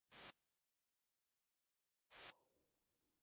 މަންމަގެ ވާހަކަ ހުއްޓުވާލީ އަހަން